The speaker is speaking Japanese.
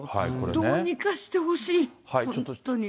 どうにかしてほしい、本当に。